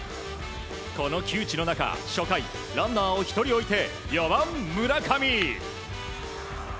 この窮地の中初回、ランナーを１人置いて４番、村上。